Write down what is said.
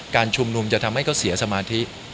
การชุมนุมจะทำให้เขาเสียสมาธิ